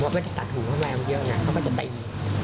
ไม่ตัดหูกับแมวส์เยอะนั้นก็จะตาย